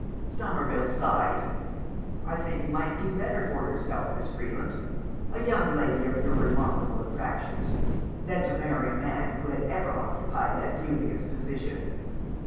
Somerville sighed. "I think you might do better for yourself, Miss Freeland — a young lady of your remarkable attractions — than to marry a man who had ever occupied that — dubious position."